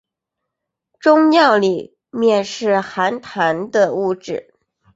终尿里面是含氮的物质。